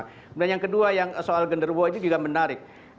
kemudian yang kedua soal gender war juga menarik